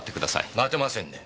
待てませんね。